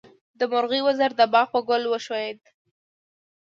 د مرغۍ وزر د باغ په ګل وښویېد.